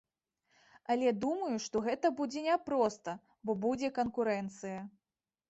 Але думаю, што гэта будзе няпроста, бо будзе канкурэнцыя.